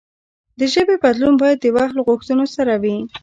د ژبې بدلون باید د وخت له غوښتنو سره وي.